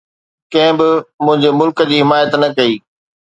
ڪنهن به منهنجي ملڪ جي حمايت نه ڪئي.